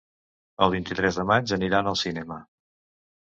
El vint-i-tres de maig aniran al cinema.